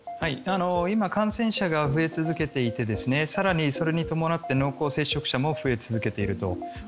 今、感染者が増え続けていて更にそれに伴って濃厚接触者も増え続けていると。